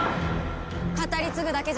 語り継ぐだけじゃ足りない。